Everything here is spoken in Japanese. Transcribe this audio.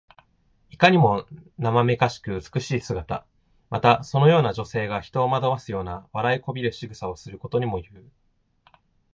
いかにもなまめかしく美しい姿。また、そのような女性が人を惑わすような、笑いこびるしぐさをすることにもいう。